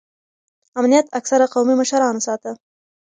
امنیت اکثره قومي مشرانو ساته.